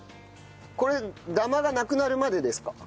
これダマがなくなるまでですか？